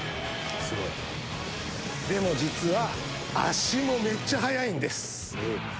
でも実は足もめっちゃ速いんです。